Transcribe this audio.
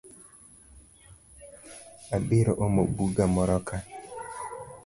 Abiro omo buga moroka